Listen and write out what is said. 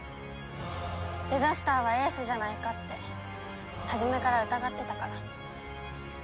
デザスターは英寿じゃないかって初めから疑ってたから。